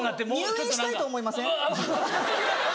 入院したいと思いません？